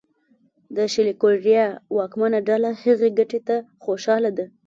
د شلي کوریا واکمنه ډله هغې ګټې ته خوشاله ده.